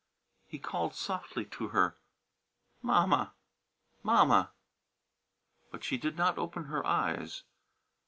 He called softly to her. "Mamma! Mamma!" But she did not open her eyes.